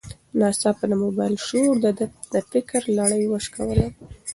ناڅاپه د موبایل شور د ده د فکر لړۍ وشکوله.